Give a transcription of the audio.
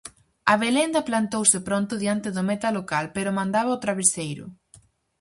Abelenda plantouse pronto diante do meta local pero mandaba ao traveseiro.